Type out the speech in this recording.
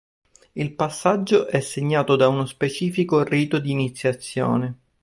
Il passaggio è segnato da uno specifico rito di iniziazione.